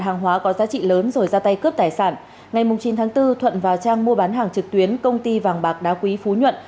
ngày chín tháng bốn thuận và trang mua bán hàng trực tuyến công ty vàng bạc đá quý phú nhuận